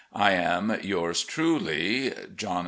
I am Yours truly, "(Diet.)